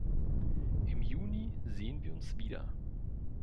Im Juni sehen wir uns wieder.